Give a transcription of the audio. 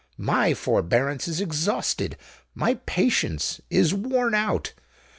My forbearance is exhausted—my patience is worn out.